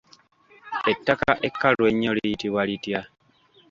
Ettaka ekkalu ennyo liyitibwa litya?